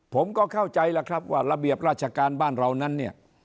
ผมก็เข้าใจแล้วครับว่าระเบียบราชการบ้านเรานั้นเนี่ย